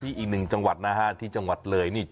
อีกหนึ่งจังหวัดนะฮะที่จังหวัดเลยนี่